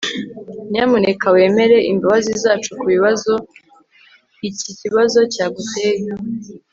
nyamuneka wemere imbabazi zacu kubibazo iki kibazo cyaguteye